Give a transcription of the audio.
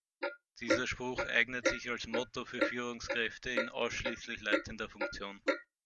Dieser Spruch eignet sich als Motto für Führungskräfte in ausschließlich leitender Funktion.